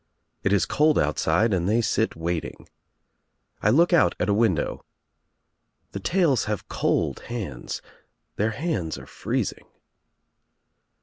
It is cold otttsidr and they sit uiailing. I look out at a windov.: The tales >usve cold luinds. Their hands ore freesing.